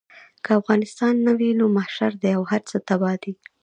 که افغانستان نه وي نو محشر دی او هر څه تباه دي.